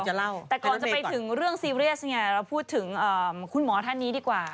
แต่ก่อนจะไปถึงเรื่องซีเรียสเนี่ยเราพูดถึงคุณหมอท่านนี้ดีกว่า